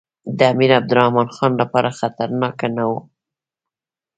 د امیر عبدالرحمن خان لپاره خطرناک نه وو.